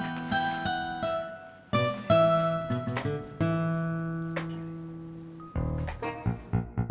emanya udah pulang kok